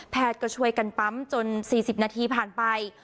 ก็ช่วยกันปั๊มจน๔๐นาทีผ่านไป